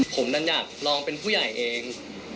ผมดันอยากลองเป็นผู้ใหญ่เอง